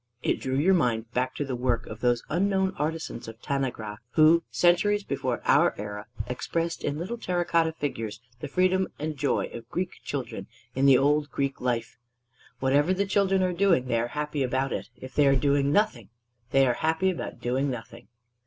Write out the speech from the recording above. It drew your mind back to the work of those unknown artisans of Tanagra, who centuries before our era expressed in little terra cotta figures the freedom and joy of Greek children in the old Greek life. Whatever the children are doing, they are happy about it; if they are doing nothing, they are happy about doing nothing.